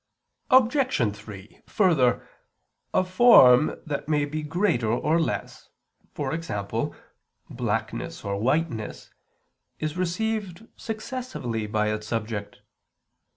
Obj. 3: Further, a form that may be greater or less, e.g. blackness or whiteness, is received successively by its subject.